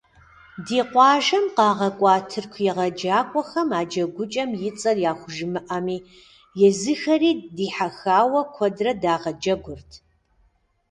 Ди къуажэм къагъэкӀуа тырку егъэджакӀуэхэм а джэгукӏэм и цӀэр яхужымыӏэми, езыхэри дихьэхауэ куэдрэ дагъэджэгурт.